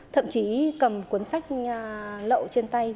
thậm chí cầm cuốn sách lậu trên tay